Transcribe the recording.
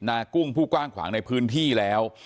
กุ้งผู้กว้างขวางในพื้นที่แล้ว